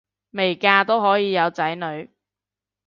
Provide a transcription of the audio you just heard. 未嫁都可以有仔女